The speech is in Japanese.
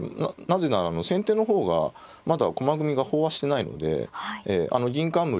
なぜなら先手の方がまだ駒組みが飽和してないので銀冠とか先手はできますからね。